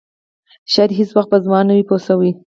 شاید هېڅ وخت به ځوان نه وي پوه شوې!.